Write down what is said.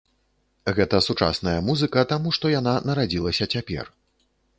Гэта сучасная музыка, таму што яна нарадзілася цяпер.